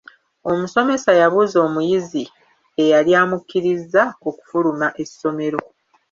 Omusomesa yabuuza omuyizi eyali amukkirizza okufuluma essomero.